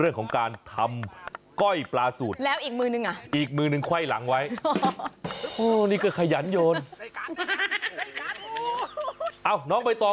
เรื่องของการทำเก้าปราสูตรมาอีกมือหนึ่งเหรือได้ง่ะค่อยหลังไว้